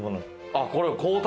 あっこれ。